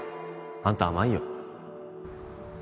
あんた甘いよ